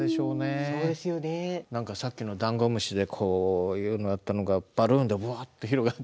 さっきのダンゴムシでこういうのだったのがバルーンでワーッと広がって。